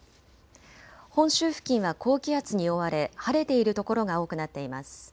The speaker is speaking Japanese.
本州付近は高気圧に覆われ晴れている所が多くなっています。